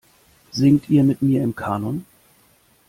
Singt ihr mit mir im Kanon?